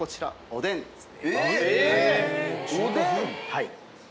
はい。